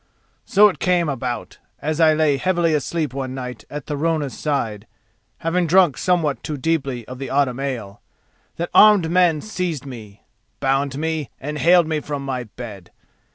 So it came about, as I lay heavily asleep one night at Thorunna's side, having drunk somewhat too deeply of the autumn ale, that armed men seized me, bound me, and haled me from my bed.